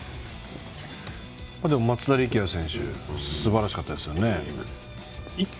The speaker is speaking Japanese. でも松田力也選手もすばらしかったですよね。